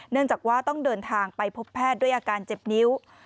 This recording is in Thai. เนื่องจากว่าต้องเดินทางไปพบแพทย์ด้วยอาการเจ็บนิ้ว